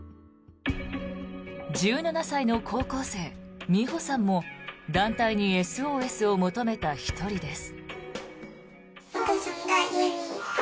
１７歳の高校生、みほさんも団体にＳＯＳを求めた１人です。